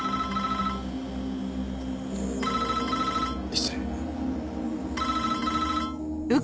失礼。